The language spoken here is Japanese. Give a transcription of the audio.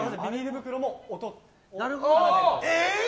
袋も音が。